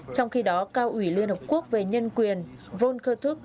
trong khi đó cao ủy liên hợp quốc về nhân quyền volker thuc